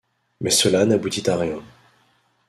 Mais cela n'aboutit à rien.